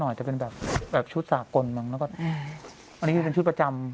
อาจจะเป็นแบบชุดสากลมั้งแล้วก็อันนี้คือเป็นชุดประจำ